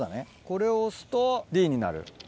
これを押すとＤになる。